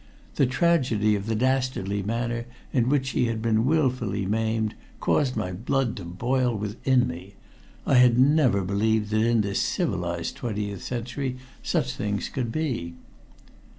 The tragedy of the dastardly manner in which she had been willfully maimed caused my blood to boil within me. I had never believed that in this civilized twentieth century such things could be.